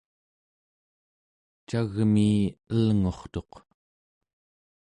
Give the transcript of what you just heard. cagmii elngurtuq